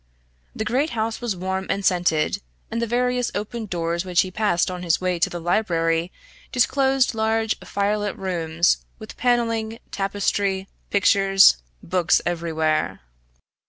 The great house was warm and scented, and the various open doors which he passed on his way to the library disclosed large fire lit rooms, with panelling, tapestry, pictures, books everywhere.